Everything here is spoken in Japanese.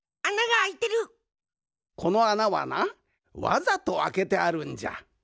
このあなはなわざとあけてあるんじゃ。